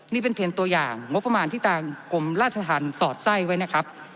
นี่เป็นเพียงตัวอย่างงบประมาณที่ทางกรมราชธรรมสอดไส้ไว้นะครับ